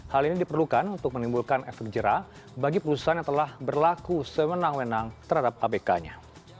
hal ini diperlukan untuk menimbulkan efek jerah bagi perusahaan yang telah berlaku semenang menang terhadap abk nya